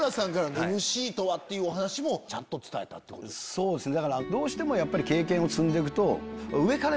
そうですね。